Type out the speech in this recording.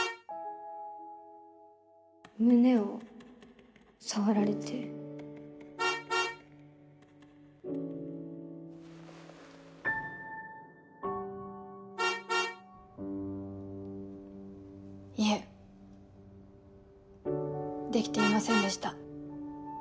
胸を触られていえできていませんでした。